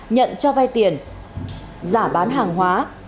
nhận cho vai tiền giả bán hàng hóa